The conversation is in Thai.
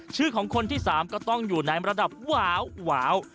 ชื่อของคนที่๓ก็ต้องอยู่ในระดับวาว